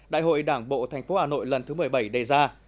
đại hội đảng bộ thành phố hà nội lần thứ một mươi bảy đề ra